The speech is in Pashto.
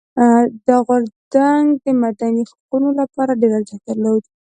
دا غورځنګ د مدني حقونو لپاره ډېر ارزښت درلود.